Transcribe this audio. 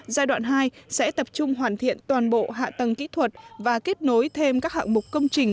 giai đoạn hai sẽ tập trung hoàn thiện toàn bộ hạ tầng kỹ thuật và kết nối thêm các hạng mục công trình